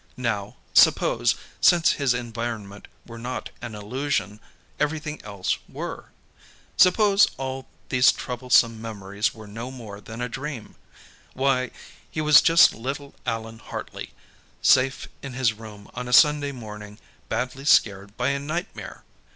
Now, suppose, since his environment were not an illusion, everything else were? Suppose all these troublesome memories were no more than a dream? Why, he was just little Allan Hartley, safe in his room on a Sunday morning, badly scared by a nightmare!